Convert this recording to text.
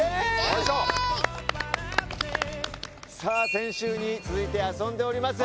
先週に続いて遊んでおります